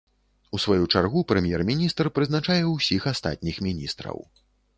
У сваю чаргу, прэм'ер-міністр прызначае ўсіх астатніх міністраў.